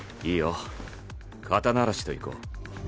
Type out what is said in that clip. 肩慣らしといこう。